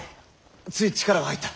つい力が入った。